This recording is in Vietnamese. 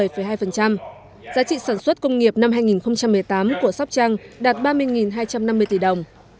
giá trị sản xuất công nghiệp năm hai nghìn một mươi tám của sóc trăng đạt ba mươi hai trăm năm mươi tỷ đồng